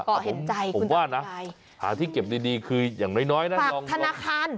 ก็เห็นใจผมว่านะหาที่เก็บดีคืออย่างน้อยนะลองธนาคาร